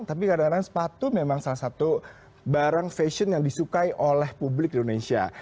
tapi kadang kadang sepatu memang salah satu barang fashion yang disukai oleh publik indonesia